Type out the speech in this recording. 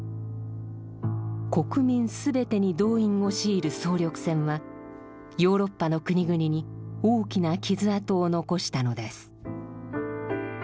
国民全てに動員を強いる総力戦はヨーロッパの国々に大きな傷跡を残したのです。